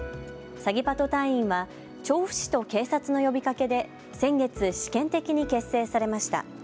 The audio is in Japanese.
サギパト隊員は調布市と警察の呼びかけで先月、試験的に結成されました。